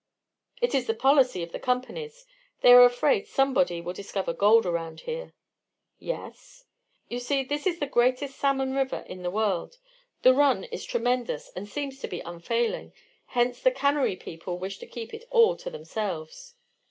"It is the policy of the Companies. They are afraid somebody will discover gold around here." "Yes?" "You see, this is the greatest salmon river in the world; the 'run' is tremendous, and seems to be unfailing; hence the cannery people wish to keep it all to themselves."